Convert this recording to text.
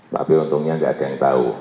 tapi untungnya tidak ada yang tahu